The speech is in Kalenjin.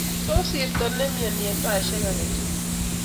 Tos sirto ne imiani saishek agetugul